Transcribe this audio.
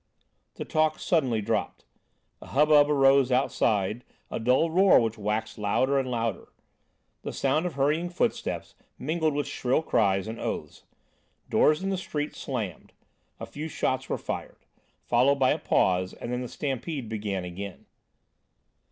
The talk suddenly dropped. A hubbub arose outside, a dull roar which waxed louder and louder. The sound of hurrying footsteps mingled with shrill cries and oaths. Doors in the street slammed. A few shots were fired, followed by a pause, and then the stampede began again.